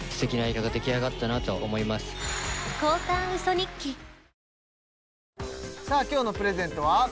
ニトリさあ今日のプレゼントは？